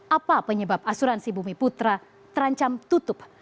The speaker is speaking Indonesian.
apa penyebab asuransi bumi putra terancam tutup